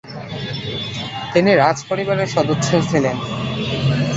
তিনি রাজপরিবারের সদস্য ছিলেন।